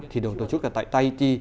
thì được tổ chức tại tây ti